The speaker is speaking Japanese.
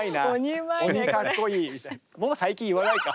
もう最近言わないか。